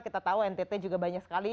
kita tahu ntt juga banyak sekali